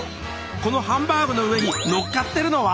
このハンバーグの上にのっかってるのは？